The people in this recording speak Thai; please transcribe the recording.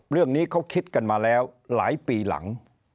เรื่องนี้เขาคิดกันมาแล้วหลายปีหลัง